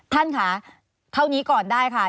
ท่านค่ะเท่านี้ก่อนได้ค่ะ